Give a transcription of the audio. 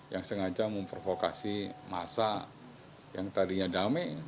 yang sengaja memprovokasi massa yang tadinya damai